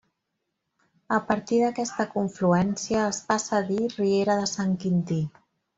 A partir d'aquesta confluència es passa a dir Riera de Sant Quintí.